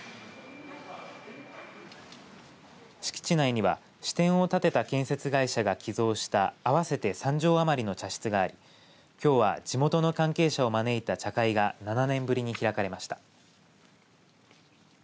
敷地内には支店を立てた建設会社が寄贈した合わせて３畳余りの茶室がありきょうは地元の関係者を招いた茶会が７年ぶりに開かれました。